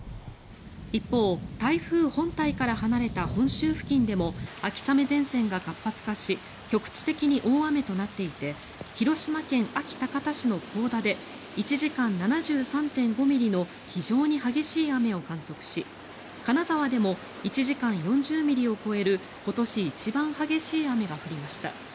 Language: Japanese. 一方、台風本体から離れた本州付近でも秋雨前線が活発化し局地的に大雨となっていて広島県安芸高田市の甲田で１時間７３．５ミリの非常に激しい雨を観測し金沢でも１時間４０ミリを超える今年一番激しい雨が降りました。